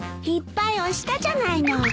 いっぱい押したじゃないの。